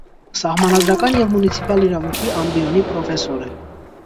Սահմանադրական և մունիցիպալ իրավունքի ամբիոնի պրոֆեսոր է։